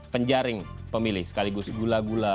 penjaring pemilih sekaligus gula gula